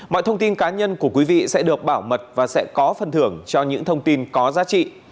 mọi thông tin cá nhân của quý vị sẽ được bảo mật và sẽ có phần thưởng cho những thông tin có giá trị